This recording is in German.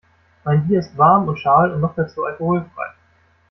Mein Bier ist warm und schal und noch dazu alkoholfrei.